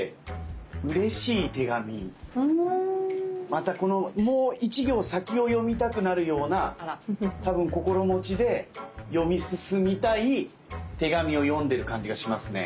またこのもう一行先を読みたくなるような多分心持ちで読み進みたい手紙を読んでる感じがしますね。